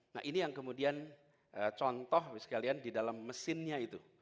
nah ini yang kemudian contoh sekalian di dalam mesinnya itu